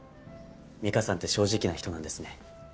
美香さんって正直な人なんですね。